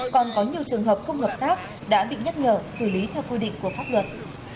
còn có nhiều trường hợp không hợp tác đã bị nhắc nhở xử lý theo quy định của pháp luật